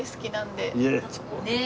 ねえ？